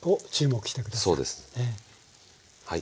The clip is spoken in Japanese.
はい。